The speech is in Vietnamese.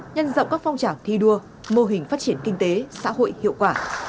nhân rộng các phong trào thi đua mô hình phát triển kinh tế xã hội hiệu quả